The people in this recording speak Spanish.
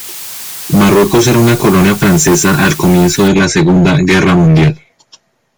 Marruecos era una colonia francesa al comienzo de la segunda guerra mundial.